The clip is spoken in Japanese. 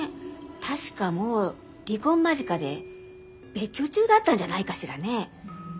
確かもう離婚間近で別居中だったんじゃないかしらね。